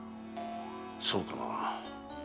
そうかな？